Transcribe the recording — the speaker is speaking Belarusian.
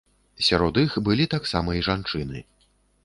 Сярод іх былі таксама і жанчыны.